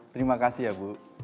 terima kasih ya bu